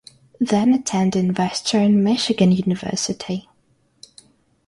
Then attending Western Michigan University.